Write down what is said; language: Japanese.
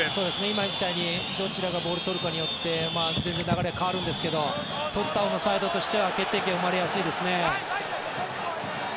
今みたいにどちらがボールを取るかによって全然流れが変わるんですけど取ったほうのサイドとしては決定機は生まれやすいですね。